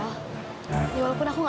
ya walaupun aku gak berpikiran kayak gitu